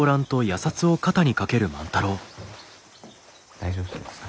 大丈夫そうですか？